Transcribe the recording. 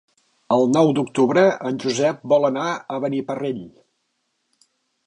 El nou d'octubre en Josep vol anar a Beniparrell.